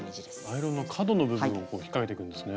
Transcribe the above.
アイロンの角の部分を引っ掛けていくんですね。